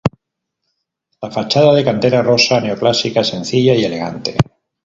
La fachada de cantera rosa, neoclásica sencilla y elegante.